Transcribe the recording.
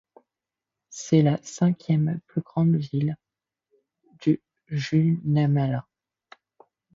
C'est la cinquième plus grande ville du Guatemala.